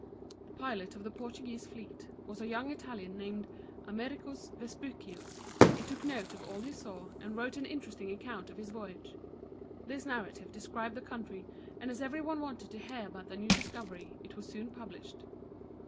The pilot of the Portuguese fleet was a young Italian named A mer´i cus Ves pu´cius. He took note of all he saw, and wrote an interesting account of his voyage. This narrative described the country, and as every one wanted to hear about the new discovery, it was soon published.